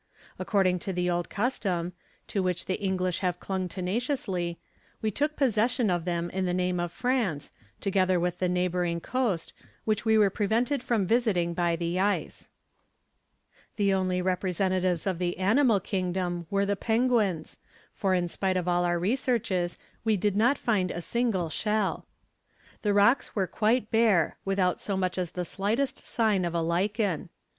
According to the old custom to which the English have clung tenaciously we took possession of them in the name of France, together with the neighbouring coast, which we were prevented from visiting by the ice. The only representatives of the animal kingdom were the penguins, for in spite of all our researches we did not find a single shell. The rocks were quite bare, without so much as the slightest sign of a lichen.